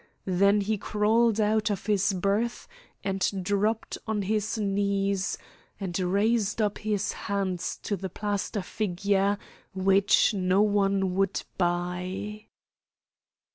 Then he crawled out of his berth and dropped on his knees, and raised up his hands to the plaster figure which no one would buy.